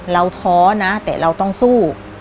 ท้อนะแต่เราต้องสู้